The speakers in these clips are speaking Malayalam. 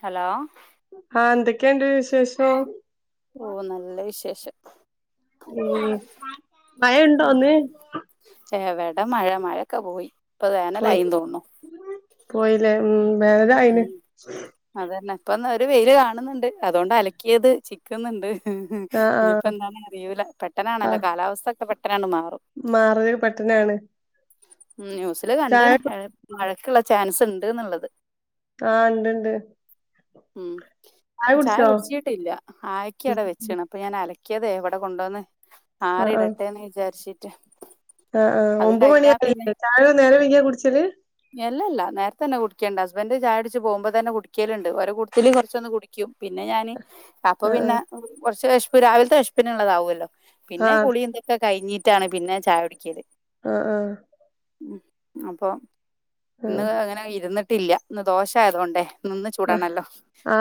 ഹലോ ആഹ എന്തൊക്കെയുണ്ട് വിശേഷം ഓ നല്ല വിശേഷം മഴയുണ്ടോ ഇന്ന് ഇവിടെ മഴ മഴൊക്കെ പോയി ഇപ്പൊ പോയി വേനലായി തോന്നുന്നു പോയില്ലേ ഉ വേ ല്യായ്ന് ഇപ്പോ ഒരു വെയിൽ കാണുന്നുണ്ട് അതുകൊണ്ട് അലക്കിയത് ചിക്കുന്നുണ്ട് ഉം ആഹ് ഇനിയിപ്പോ ആഹ് എന്താന്ന അറിയില്ല പെട്ടെന്നാണല്ലോ കാലാവസ്ഥ ഒക്കെ പെട്ട്ടെന്നാ,,,,. മാറൽ പെട്ടെന്നാണ് ഉ ന്യൂസില് ചായ കണ്ടാണ് മഴക്കുള്ള ചാൻസ് ഉണ്ട് ന്നുള്ളത് ആഹ് ണ്ട്ണ്ട് ഉം ചായ കുടിച്ചിട്ടില്ല ആക്കി അടെ വെച്ചാണ് അപ്പൊ ഞാൻ അലക്കി കലക്കിയത് എവിടെ കൊണ്ടുവന്ന് ആറിടട്ടെന്ന് വിചാരിച്ചിട്ട്. അ അ അത് ഒബത് കഴിഞ്ഞാ പിന്നെ മണിയായില്ലേ ചായ നേരം വൈകിയാണോ കുടിച്ചല് അല്ലല്ല നേരത്തെ തന്നെ കുടിക്കലുണ്ട് ഹസ്ബൻഡ് ചായകുടിച്ച് പോകുമ്പോ തന്നെ കുടിക്കലുണ്ട് ഒരെ കൂട്ടത്തിൽ കുറച്ചൊന്ന് കുടിക്കും. പിന്നെ ഞാന് അപ്പോ ആഹ് പിന്നെ കുറച്ച് വിശ്പ് രാവിലത്തെ വിശ്പിനുള്ള താവല്ലോ. പിന്നെ ആഹ് കുളി എന്തൊക്കെ കഴിഞ്ഞിട്ടാണ് പിന്നെ ചായ കുടിക്കല്ല്. ആഹ ആഹ അപ്പൊ ഇന്ന് അങ്ങനെ ഇരുന്നിട്ടില്ല ഇന്ന് ദോഷായതുണ്ടേ നിന്ന് ആഹ് ചൂടാണല്ലോ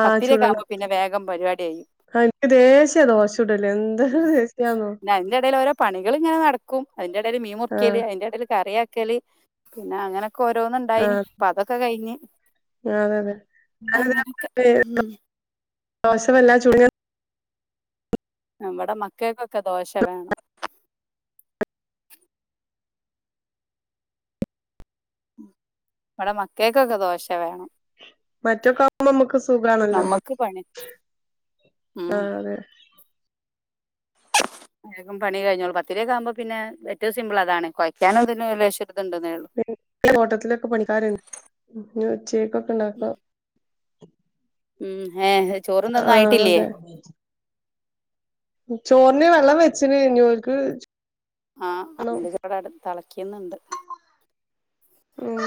പത്തിരയക്കെ ആവുമ്പോ പിന്നെ വേഗം പരിപാടി കഴിയും ആ എനിക്ക് ദേഷ്യയാണ് ദോശ ചുടൽ എന്താ ഉം ദേഷ്യണോ. പിന്നെ അതിന്റെ ഇടയിൽ ഓരോ പണികൾ ഇങ്ങനെ നടക്കും അതിന്റെ ഇടയിൽ മീൻ മുറിക്കിയൽ ആഹ് അതിന്റെ ഇടയിൽ കറിയാക്കൽ പിന്നെ അങ്ങനെ. ഓരോന്നന്ന് ഇണ്ടായിനി ആഹ് അപ്പൊ അതൊക്കെ കഴിഞ്ഞ് അതെ അങ്ങനൊക്കെ അതെ,, ഉം ദോശ വല്ലാതെ, നമ്മടെ മക്കൾക്കൊക്കെ ദോശ വേണം ഇവിടെ മക്കക്കൊക്കെ ദോശ വേണം മറ്റൊക്ക ആവുമ്പോ നമ്മുക്ക് സൂഖാണല്ലോ നമുക്ക് പണി ആ ഉം അതെ വേഗം പണി കഴഞ്ഞോളൂ പത്തിരയക്കെ ആവുമ്പോ പിന്നെ ഏറ്റവും സിമ്പിൾ അതാണ് കുയ്ക്കാനുംതിന പിന്ന ഓട്ടത്തിലൊക്കെ പണിക്കാരണ്ട് ഉച്ചക്കൊക്കെ ഉണ്ടാക്കാം ഉം ഏ ചോറുംന്തൊന്നും ആഹ് ആയിട്ടില്ലേ അതെ ചോറിന് വെള്ളം വെച്ചിന്ഞ്ഞോക്ക് ആഹ അന്റെ കട തിളക്കിയന്നണ്ട് ഉം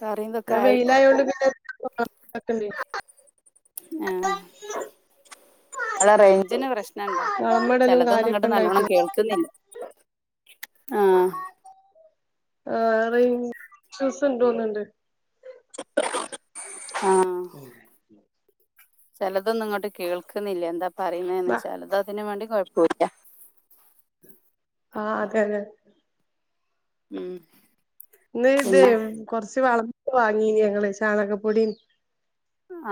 കറിയും ഇതൊക്കെ ആ ആയി വെയിലായൊണ്ട് പിണ്ട ആഹ അടെ റേഞ്ചിന് പ്രശ്നുണ്ടോ വളമിടലും ചിലതൊന്നും കാര്യൊക്കെ ഇങ്ങോട്ട് നല്ലവണം ഉണ്ടായിട്ട് കേൾക്കുന്നില്ല ആഹ ആ റേഞ്ച് ഇഷ്യൂസ് ണ്ട് തോന്നുണ്ട് അ [unintelligible] ഉം ചിലതൊന്നും ഇങ്ങോട്ട് കേൾക്കുന്നില്ല എന്താ പറയുന്നന്ന് ചിലത് അതിനന് വേണ്ടി കൊഴപ്പില്ല ആഹ അതെ അതെ ഉം ഇ ഇതെ പിന്നെ കൊറച്ച് വളന്ന വാങ്ങീന് ഞങ്ങള് ചാണകപ്പൊടീ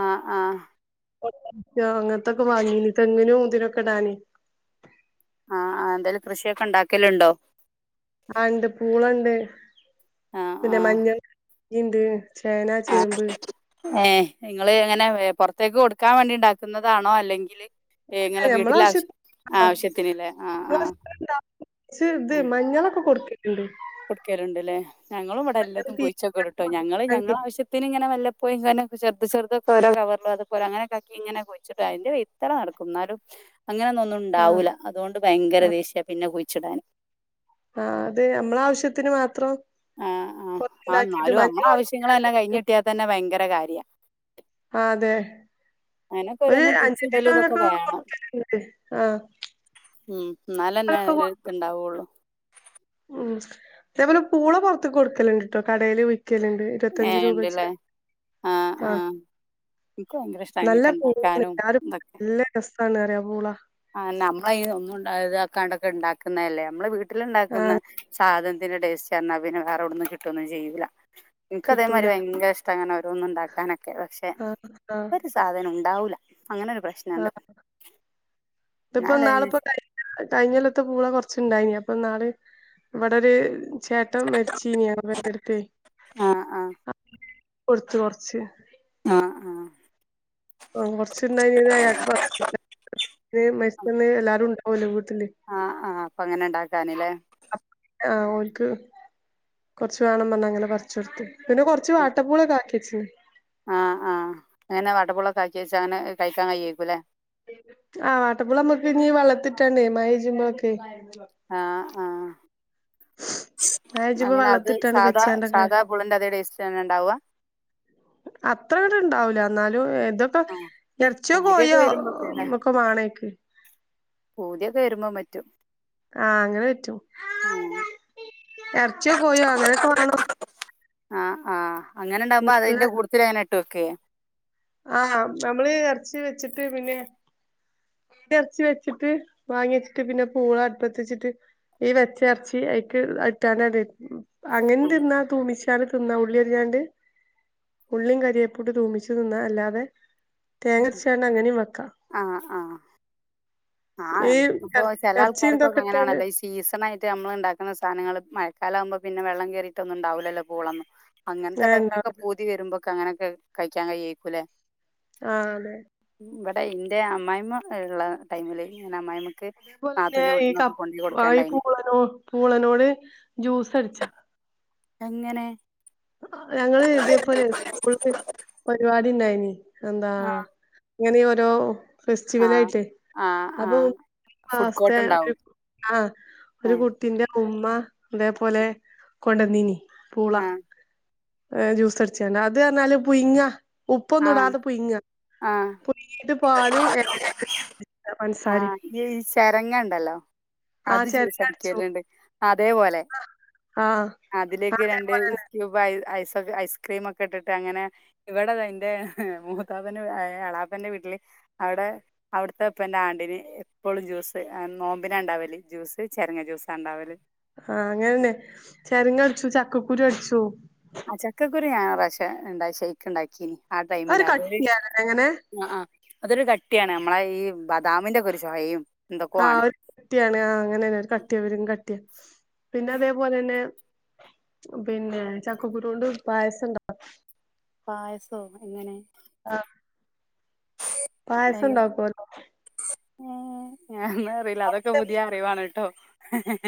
ആഹ ആഹ അങ്ങനത്തൊക്കെ വാങ്ങീനി തേങ്ങിനും ഇതിനൊക്കെടാനി ആഹ് എന്തായാലും കൃഷിയൊക്കെ ഉണ്ടാക്കൽ ഉണ്ടോ ആ ഉണ്ട് പൂളണ്ട് ആ പിന്നെ മഞ്ഞൾണ്ട് ഏ നിങ്ങള് എങ്ങനെ പുറത്തേക്ക് കൊടുക്കാൻ വേണ്ടി ഉണ്ടാക്കുന്നതാണോ അല്ലെങ്കിൽ ഏ നിങ്ങളെ ഞമ്മള വീട്ടില ആശ്യ ആവശ്യത്തി ആ ആവശ്യത്തിന്ല്ലേ ആഹ ആഹ സ ഇത മഞ്ഞളൊക്കെ കൊടുക്ക കൊടുക്കലുണ്ട്ല്ലേ ഞങ്ങളും ഇവിടെ മഞ്ഞൾ എല്ലാത്തും കുഴിച്ചൊക്കെ ടും ട്ടോ ഞങ്ങൾ പീങ്ങിക്കാണ്ട് ഞങ്ങള ആവശ്യത്തിന് ഇങ്ങനെ വല്ല പോയി ഇങ്ങനെ ചെറു ചെറുതൊക്കെഓരോ കവറോ അതുപോലെ അങ്ങനൊക്കെക്കിങ്ങനെഴിച്ചിട്ട് അതിന്റെ ഇത്ര നടക്കും എന്നാലും അങ്ങനെന്ന ഒന്നും ആ ഉണ്ടാവൂല്ല അതുകൊണ്ട് ഭയങ്കര ആ ദേഷ്യ പിന്നെ കുഴിച്ചിടൻ ആ അതെ നമ്മള ആവശ്യത്തിന് മാത്രം ആഹ ആ ആ കൊറച്ചുണ്ടാക്കിട്ട് എന്നാലും മഞ്ഞൾ അമ്മളെ ആവശ്യങ്ങളെ ഒണക്കിക്കാണ്ട് എല്ലാം കഴിഞ്ഞ കിട്ടിയാൽ തന്നെ ഭയങ്കര കാര്യമാണ് ആ അതെ ഒരു ഓരോന്ന് അഞ്ച കുഴിച്ചിടലും ഇതൊക്കെ കിലോനൊക്കെ വേണം കൊറത്തണ്ട് ആഹ ഉം എന്നാലന്നെ ഒരുത്ത് ഇണ്ടാവുള്ളു ഉം അതേപോലെ പൂള പൊറത്ത് കൊടുക്കലണ്ട്ട്ടോ കടൽ ലണ്ട് ഇരുപത്തഞ്ച് ഏഹ് രൂപ ഉണ്ടല്ലേ ആഹ് ആ ആഹ് എനിക്ക് ഭയങ്കര ഇഷ്ടാ നല്ല അങ്ങനൊക്കെ പൂളാ ണ് ഇണ്ടാക്കാനും ആരും നല്ല രസമാണ് അറിയ പൂള ആ നമ്മള ഒന്നും ഇതക്കാണ്ടക്കെ ഉണ്ടാക്കുന്നതല്ലേ നമ്മെ വീട്ടില ആ ഉണ്ടാക്കുന്ന സാധനം ഇതിന്റെ ടേസ്റ്റ് പിന്നെ വേറെവിടന്നും കിട്ടൊന്നും ചെയ്യില്ല എനക്ക് അതേമാരി കിട്ടൂല ഭയങ്കര ഇഷ്ട അങ്ങനെ ഓരോന്നും ഉണ്ടാക്കാനൊക്കെ പക്ഷെ ആഹ് ആഹ് ഒരു സാധനം ഉണ്ടാവൂല അങ്ങനെരു പ്രശ്നുണ്ട് ആഹ് ഇതിപ്പോ നാളിപ്പോ ക കഴഞ്ഞൽത്ത പൂള റച്ചണ്ടായി അപ്പ നാൾ ഇവിടെ ചേട്ട മരിച്ചീനിയ വന്റെടുത്ത ആഹ് ആഹ് കൊടുത്ത കൊറച്ച് ആഹ ആഹ ആ കൊറച്ചുണ്ടായി അയാൾക്ക് മരിച്ചന്ന് എല്ലാരും ഉണ്ടാവുംലീ ആഹ് ആഹ് അപ്പൊ അങ്ങനെ ഇണ്ടാക്കാനില്ലേ ആ ക്ക് കൊറച്ച് വേണം പറാ അങ്ങനെ പറിച്ച കൊടുത്ത് പിന്നെ കൊറച്ച് വാട്ടപ്പൂളൊക്കെ ആാക്കിച്ചന് ആ ആ അങ്ങനെ വടപുളൊക്കെ ആക്കി വെച്ച അങ്ങനെ കഴിക്കാൻ കഴേക്കും അല്ലേ ആ കട്ടാകുളം നമ്മുക്ക് ഇീ വെള്ളത്തിട്ടാണ്ടേ മയച്പോഴൊക്കെ ആ പെയ്യുമ്പോ അങ്ങനെ അത് വെള്ളത്തിട്ടാണ്ട് സാധാ വെച്ചാണ്ടൊക്കെ സാധാ പുളിന്റെ അതേ ടേസ്റ്റ് തന്നെ ഉണ്ടാവുക? അത്ര ഇങ്ങട്ട് ഇണ്ടാവൂല എന്നാലും ഇതൊക്കെ ആ ഇറച്ചിയോ പൂതിയൊക്കെ കോഴിയോ വരുമ്പോക്കെ അല്ലേ ഒക്കെ വാണക്ക്. പൂതിയൊക്കെ വരുമ്പോ മറ്റും. ആ അങ്ങനെ പറ്റും ഇറച്ചിയോ കോഴിയോ അങ്ങനെയൊക്കെ വേണം ആ ആ അങ്ങനെണ്ടാവുമ്പോ അതിന്റെ കൂടുത്തിൽ അങ്ങനെ ഇട്ടുവ വക്കെ? ആ നമ്മള് ഇറച്ചി വെച്ചിട്ട് പിന്നെ ഇറച്ചി വെച്ചിട്ട് മങ്ങി വെച്ചിട്ട് പിന്നെ പൂള അടുപ്പത്തിച്ചിട്ട് ഈ വെച്ച ഇറച്ചി അക്ക് അട്ടാനത അങ്ങനെ ആ തിന്ന തുമ്മിച്ച ഉള്ളി അറിഞ്ഞികണ്ട ഉള്ളിയും കരിയേപ്പൂട്ട് തൂമിച്ചു തിന്നാ അല്ലാതെ തേങ്ങ ഉം അരച്ചുങ്ങട് അങ്ങനെയും വെക്കാം ആഹ് നമുക്കിപ്പോ എറ ചില എറച്ചിം ഇതൊക്കെ ഇട്ടാണ്ട് ആൾക്കാർക്കൊക്കെങ്ങനാണല്ലോ ഈ സീസണ ആായിട്ട് നമ്മള് ഉണ്ടാക്കുന്ന സാധനങ്ങള് മഴക്കാല ആകുമ്പോ പിന്നെ വെള്ളം കയറിയിട്ടൊന്നും ഉണ്ടാവില്ലോല്ലോ പൂളന്നും അങ്ങനത്തെ ഏഹ് ടൈമിലൊക്കെ ഇണ്ടാവും പുതി വരുമ്പോ അങ്ങനെയൊക്കെ കഴിക്കാൻ കഴിയയിക്കുംല്ലേ. ആ ആതെ ഇവിടെ ഇന്റെ അമ്മായിമ്മ ഉള്ള ടൈമില് അ്മായിമ്മ അതേപോലെ തന്നെ ഈ കപ്പ ആ ഈ പൂളനോ പൂളനോട് ജ്യൂസ് അടിച്ചാ, എങ്ങനെ? ഞങ്ങള് ഇതേപോലെ സ്കൂള്ില് പരിപാടി ഉണ്ടായിന്, എന്താ ആ ഇങ്ങനെ ഓരോ ആ ഫെസ്റ്റിവൽ ആയിട്ട് ആ അപ്പൊ ആ ഫുഡ് കോർട്ട് ക്ലാസ്സ്തേ ഉണ്ടാവും. ആ ഒരു കുട്ടീന്റെ അമ്മ അതേപോലെ കൊണ്ടന്നനി പൂള. ആ ജ്യൂസ് അടിച്ചണ്ട അത് പറഞ്ഞാല് പുഴുങ്ങാം ഉപ്പൊന്നും ആ ഇടാതെ പുയിങ്ങ ആ പുങ്ങീട്ട പല്ലും ആ ചരങ്ങ ഉണ്ടല്ലോ ആഹ് അത് ചെരങ്ങടിച്ചു ചൂസടിക്കലണ്ട് അതപലെ ആഹ് അതിലേക്ക് രണ്ട് അതേപോലെന്നെ സ്ക്യുബ ഐസ് ഐസ്ക്രീമ ഒക്കെ ഇട്ടിട്ട് അങ്ങനെ ഇവിടെ എന്റെ മൂത്താപ്പന്റെ എളാപ്പൻന്റെ വീട്ടില് അവിടെ അവിടുത്തെ ഉപ്പാന്റെ ആണ്ടിനന്, ഇപ്പോളും ജ്യൂസ് നോമ്പിന ഉണ്ടാവല് ജ്യൂസ് ചെരങ്ങ ജ്യൂസ ഉണ്ടാവല്. ആ അങ്ങനെന്നെ ചെറങ്ങ അടിച്ചു ചക്കക്കുരു അടിച്ചു ആ ചക്കക്കുറി ഞാൻ ഇണ്ട ശേക്ക് ഉണ്ടാക്കീന്. ആ അത് ടൈമിൽ ഒരു അതൊ കട്ടിയാണ് എങ്ങനെ ആ ആ അതൊരു ക കുട്ടിയാണ് നമ്മളെ ഈ ബദാമിന്റെ ഒക്കെ ഒരു ചോയ്മ് ആ ഒരു കട്ടിയാണ് ആ അങ്ങനെന്ന കട്ടിയ അവരും കട്ടിയ പിന്നെ അതേപോലെ തന്നെ പിന്നെ ചക്കക്കുരു കൊണ്ട് പായസംണ്ട പായസോ എങ്ങനെ? ആ പായസ ഉണ്ടാക്കല ഏ ഞന്ന അറിയില്ല അതൊക്കെ പുതിയ അറിവാണ് കേട്ടോ.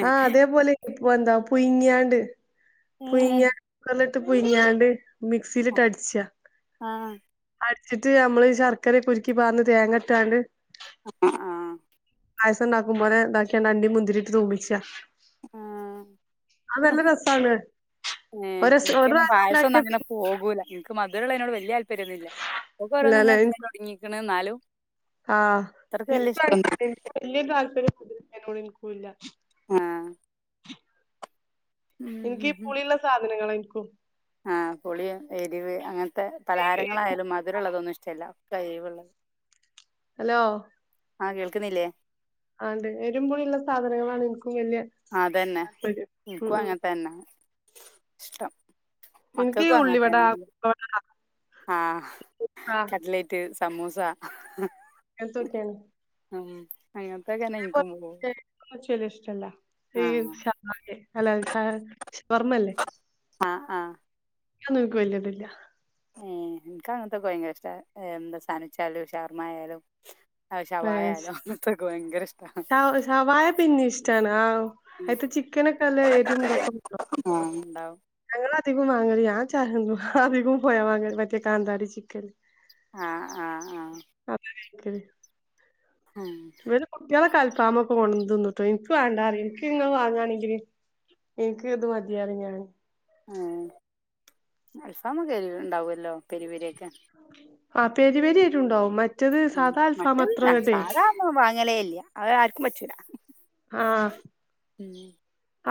ആ അതേപോലെ ഇപ്പൊ എന്താ പൊയിങ്ങാണ്ട് ഏഹ് പുയിങ്ങ പുങ്ങാണ്ട് മിക്സിയിലിട്ട അടിച്ചാ, ആഹ് അടിച്ചിട്ട് നമ്മള് ശർക്കര ഉരുക്കി പർണണ്ട തേങ്ങ ഇട്ടാണ്ട് ആ ആ പായസംണ്ടാക്കും്പോന എന്താക്കിയാ അണ്ടി മുന്തിരിട്ട് തൂമിച്ച, ആ ന്നേ [unintelligible] രസാണ് ഒരു ഒരു ഇങ്ങങ്ങനെ പ്രാവശ്യം പായുസൊന്നും ഉണ്ടാക്കിയ അങ്ങനെ പിന്നെ പോകൂല. ക്ക്‌ മധുരുള്ള അയിനോട് വലിയ അല്പര്യം ഒന്നില്ല ഓരോന്ന് ഇല്ലല്ലേ ഇങ്ങനന്ന തുടങ്ങിക്കന്നാ ന്നാലും ആഹ് [unintelligible] വല്ല്യ താല്പര്യം ക്കുല്ല ആ എനിക്ക് ഈ പുളിയുള്ള സാധനങ്ങള് എനിക്കും ആഹ് പുളിയും എരിവ് അങ്ങനത്തെ ഈ പലഹാരങ്ങളായാലും മധുരമുള്ളതൊന്നും ഇഷ്ടല്ല കൈ വെള്ള ഹലോ ആഹ് കേൾക്കുന്നില്ലേ ആണ്ട് എരും പുളിയുള്ള സാധനങ്ങളാണ് വല്യ അതന്നെ താല്പര്യം ഉം എൻക്കും ഉം അങ്ങനെ തന്നെ ഇഷ്ടം എനിക്ക് ഈ മക്കൾക്കും ഉള്ളിവട അങ്ങനത്തെന്നെ വട ആഹ് ആഹ് കട്ട്ലൈറ്റ് സമൂസ ങ്ങത്തൊക്കെയാണ് ഉം അയാ [unintelligible] ഇഷ്ടല്ല ഈ ആഹ് [unintelligible] അല്ല ശാ ശവർമ്മല്ലേ ആഹ് ആ ങ്ങിക്കു അതൊന്നും ൻക്ക് വല്ല്യത് ല്ല ഏ എനക്ക് അങ്ങനത്തൊക്കെ ഭയങ്കര ഇഷ്ട്ടാ എന്താ സാനുവിച്ചാലും ശവർമ്മ ആയാലും ആ ശവായാലോ അങ്ങത്തൊക്കെ ഭയങ്കര ഇഷ്ടാ സവായ പിന്നെ ഇഷ്ടാണ് ആഹ് അയിത്ത ചിക്കനൊക്കെല്ല എരും ഇതൊക്കെ ആഹ് അങ്ങള് അധികം വാങ്ങല് ഞാൻ ചായ് അധികം പോയാ വാങ്ങ മറ്റേ കാന്താരി ചിക്കന് ആഹ് ആഹ് ആഹ് അപ്പ്‌ റ്റത് ആ ഇങ്ങളെ കൽപാമൊക്കെ കൊണ്ടുന്നുട്ടൊയി എൻക്ക് വേണ്ടാ റിയും എൻക്ക് ഇങ്ങ വാങ്ങയാണെങ്കില് എൻക്ക് ഇത് മതി അറിഞ്ഞാന് ഉം അൽഫാമൊക്കെരിവ് ഉണ്ടാവല്ലോ പെരിപരിയൊക്കെ ആ പേരിപേരി എരുണ്ടാവും മറ്റെ ഉം മറ്റതിനാ സാധാ മം വാങ്ങലേ ഇല്ല അത് ആർക്കും പറ്റൂല ആഹ് ഉം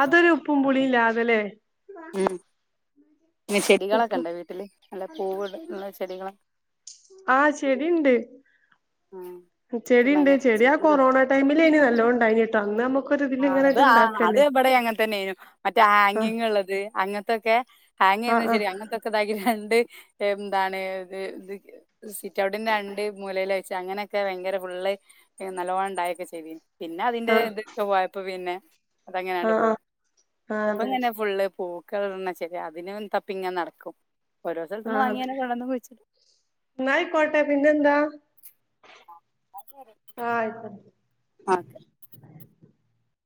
അതൊരു ഉപ്പും പുളില്ലാതെല്ലേ ഉം പിന്നെ ചെടികളൊക്കെ ഉപ്പും ഉണ്ടോ വീട്ടില് നല്ല പൂവുള്ള ള്ള ചെടികളൊക്കെ മ് ചെടിയുണ്ട് ഭയങ്കര ചെടിയാ ചെടികള് കൊറോണ ടൈമില്ന് നല്ലനൊണ്ടായിനിട്ടോ അന്ന് നമ ആ അത് ആ അത് എവിടെ അങ്ങനെ തന്നൊയിനു മറ്റേ ആഹ് ആങ്ങിങ് ഉള്ളത് അങ്ങനത്തൊക്കെ ആങ്ങേന്നാ ആഹ് ശരി അങ്ങനത്തൊക്കൊതാഗിര് രണ്ട് എ മ് ന്താണ് എ ത് ഗ് സിറ്റൗട്ടിന് രണ്ട് മൂലേലയിച്ച് അങ്ങനെക്കെ ഭയങ്കര ന്റെ പുള്ളേ എ നല്ലോണം ഉണ്ടായെക്കെ ചെയ്തെനു പിന്നെ ആഹ് അതിന്റെത് അപ്പ പിന്നെ അതങ്ങനെയാണ്ട് ആഹ് പോയി ആഹ് ആഹ് ആഹ് ഇപ്പ അതെ ഇങ്ങനെ ഫുള്ള് പോ ക്ക്‌റെണ്ണാ ശെരി അതിനും തപ്പിങ്ങെനെ നടക്കും ഓരോ സ്ഥലത്തുന്ന് വാങ്ങിയന കൊണ്ട്ന്ന് വച്ചിട്ട് ന്നയി കൊഴ്‌പ്പ പിന്നെന്താ ആ ആയിക്കോ അതെ